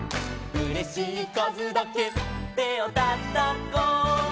「うれしいかずだけてをたたこ」